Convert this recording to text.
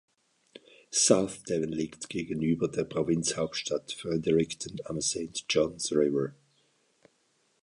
South Devon liegt gegenüber der Provinzhauptstadt Fredericton am Saint John River.